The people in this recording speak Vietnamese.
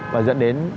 và dẫn đến